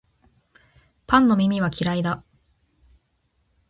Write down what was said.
パンの耳は嫌いだ